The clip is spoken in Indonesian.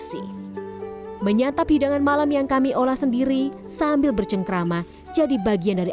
bersih menyatap hidangan malam yang kami olah sendiri sambil bercengkrama jadi bagian dari